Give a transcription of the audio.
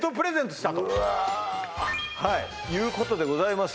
はいいうことでございます